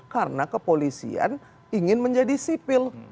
karena kepolisian ingin menjadi sipil